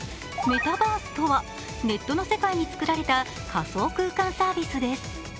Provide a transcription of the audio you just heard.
メタバースとはネットの世界に作られた仮想空間サービスです。